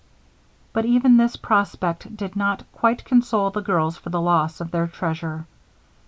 '" But even this prospect did not quite console the girls for the loss of their treasure.